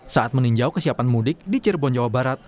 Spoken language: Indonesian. saat meninjau kesiapan mudik di cirebon jawa barat